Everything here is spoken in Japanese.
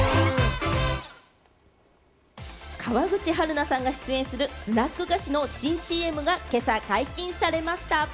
川口春奈さんが出演するスナック菓子の新ＣＭが今朝解禁されました。